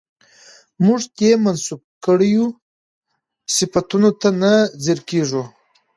موږ دې منسوب کړيو صفتونو ته نه ځير کېږو